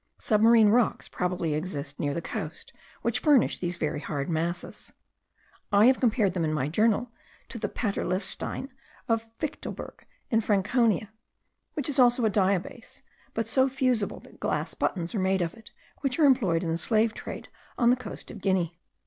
Submarine rocks probably exist near the coast, which furnish these very hard masses. I have compared them in my journal to the PATERLESTEIN of Fichtelberg, in Franconia, which is also a diabase, but so fusible, that glass buttons are made of it, which are employed in the slave trade on the coast of Guinea.